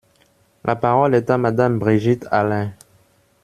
La parole est à Madame Brigitte Allain.